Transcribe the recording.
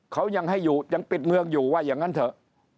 เขายังให้อยู่ยังปิดเมืองอยู่ว่าอย่างนั้นเถอะ